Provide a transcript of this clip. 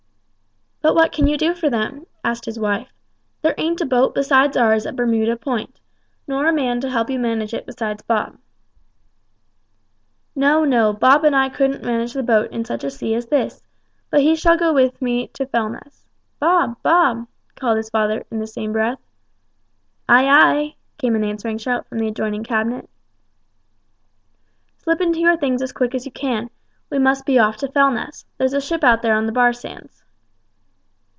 "But what can you do for them?" asked his wife; "there ain't a boat besides ours at Bermuda Point, nor a man to help you manage it besides Bob." "No, no; Bob and I couldn't manage the boat in such a sea as this; but he shall go with me to Fellness. Bob! Bob!" called his father, in the same breath. "Aye, aye," came an answering shout from the adjoining cabin. "Slip into your things as quick as you can; we must be off to Fellness; there's a ship out there on the bar sands."